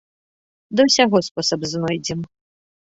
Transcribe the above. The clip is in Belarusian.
Да ўсяго спосаб знойдзем.